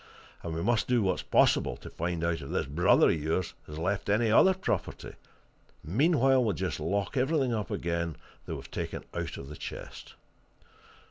And we must do what's possible to find out if this brother of yours has left any other property; and meanwhile we'll just lock everything up again that we've taken out of this chest."